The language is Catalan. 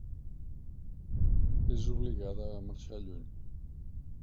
És obligada a marxar lluny.